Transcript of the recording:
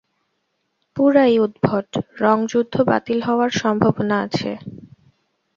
পুরাই উদ্ভট - রঙ যুদ্ধ বাতিল হওয়ার সম্ভাবনা আছে?